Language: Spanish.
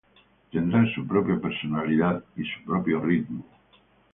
Tendrá su propia personalidad y su propio ritmo.